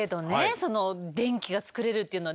その電気が作れるっていうのは。